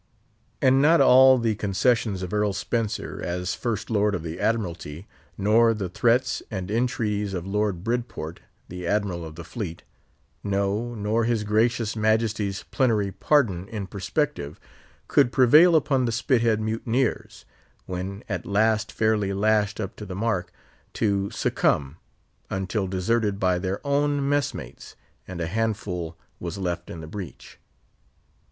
And not all the concessions of Earl Spencer, as First lord of the Admiralty, nor the threats and entreaties of Lord Bridport, the Admiral of the Fleet—no, nor his gracious Majesty's plenary pardon in prospective, could prevail upon the Spithead mutineers (when at last fairly lashed up to the mark) to succumb, until deserted by their own mess mates, and a handful was left in the breach.